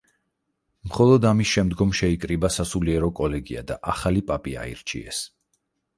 მხოლოდ ამის შემდგომ შეიკრიბა სასულიერო კოლეგია და ახალი პაპი აირჩიეს.